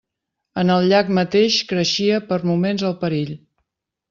En el llac mateix creixia per moments el perill.